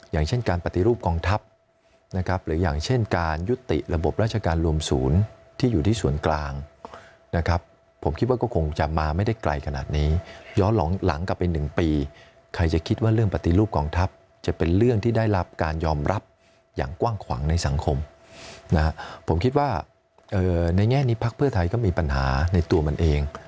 อย่างเช่นการปฏิรูปกองทัพนะครับหรืออย่างเช่นการยุติระบบราชการรวมศูนย์ที่อยู่ที่ส่วนกลางนะครับผมคิดว่าก็คงจะมาไม่ได้ไกลขนาดนี้ย้อนหลังกลับไป๑ปีใครจะคิดว่าเรื่องปฏิรูปกองทัพจะเป็นเรื่องที่ได้รับการยอมรับอย่างกว้างขวางในสังคมนะฮะผมคิดว่าในแง่นี้พักเพื่อไทยก็มีปัญหาในตัวมันเอง